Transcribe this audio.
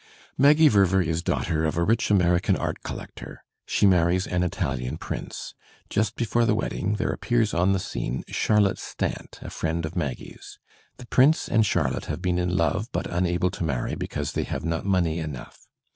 Maggie Verver is daughter of a rich American art collector. She marries an ItaUan Prince. Just before the wedding there appears on the scene Charlotte Stant, a frieiid of Maggie's. The Prince and Charlotte have been in love but unable to marry because they have not money enough.